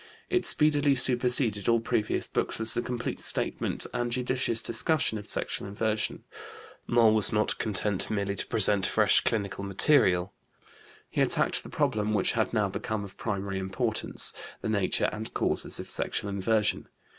It speedily superseded all previous books as a complete statement and judicious discussion of sexual inversion. Moll was not content merely to present fresh clinical material. He attacked the problem which had now become of primary importance: the nature and causes of sexual inversion.